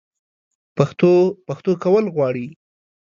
پښتو؛ پښتو کول غواړي